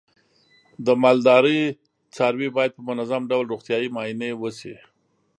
د مالدارۍ څاروی باید په منظم ډول روغتیايي معاینې وشي.